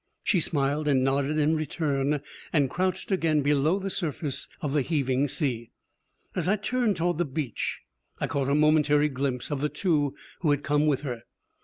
She smiled and nodded in return, and crouched again below the surface of the heaving sea. As I turned toward the beach, I caught a momentary glimpse of the two who had come with her.